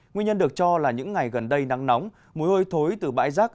nguyên nhân được cho là những ngày gần đây nắng nóng mùi hôi thối từ bãi rác